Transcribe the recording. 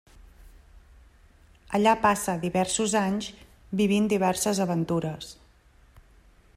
Allà passa diversos anys vivint diverses aventures.